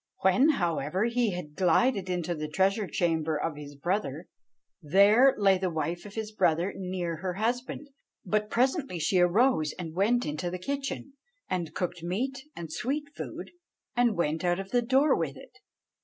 "When, however, he had glided into the treasure chamber of his brother, there lay the wife of his brother near her husband; but presently she arose and went into the kitchen, and cooked meat and sweet food, and went out of the door with it.